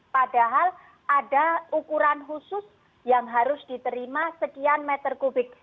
padahal ada ukuran khusus yang harus diterima sekian meter kubik